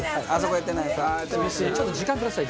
ちょっと時間ください。